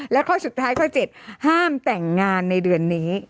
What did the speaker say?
และข้อสุดท้ายข้อ๗ห้ามแต่งงานในเดือนนี้